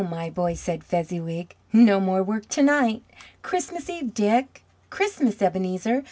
my boys," said Fezziwig. "No more work to night! Christmas Eve, Dick! Christmas, Ebenezer!